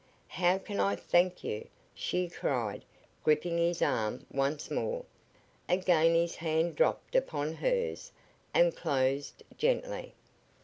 "How can I thank you"' she cried, gripping his arm once more. Again his hand dropped upon hers and closed gently.